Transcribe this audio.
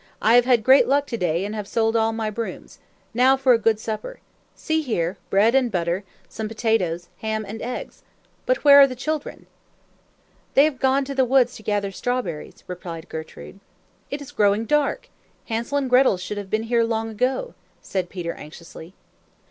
"I have had great luck to day, and have sold all my brooms. Now for a good supper! See here bread and butter, some potatoes, ham and eggs. But where are the children?" "They have gone to the woods to gather strawberries," replied Gertrude. "It is growing dark. Hansel and Gretel should have been here long ago," said Peter anxiously.